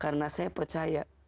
karena saya percaya